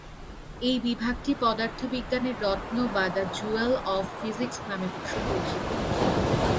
এই বিভাগটি "পদার্থবিজ্ঞানের রত্ন" বা "দ্য জুয়েল অফ ফিজিক্স" নামে সুপরিচিত।